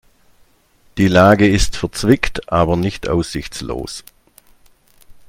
Die Lage ist verzwickt aber nicht aussichtslos.